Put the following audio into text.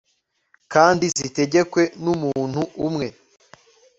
kandi zitegekwe n'umuntu umwe